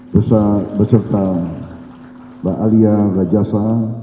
bersama mbak alia rajasa